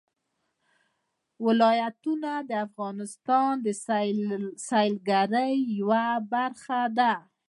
ولایتونه د افغانستان د سیلګرۍ یوه برخه ده.